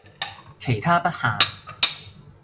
其他不限